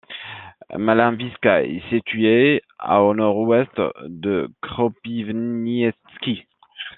Mala Vyska est située à au nord-ouest de Kropyvnytsky.